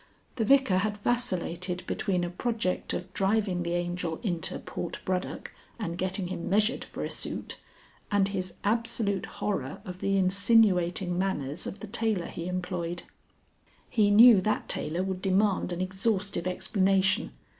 The Vicar had vacillated between a project of driving the Angel into Portbroddock and getting him measured for a suit, and his absolute horror of the insinuating manners of the tailor he employed. He knew that tailor would demand an exhaustive explanation.